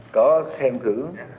có khen cử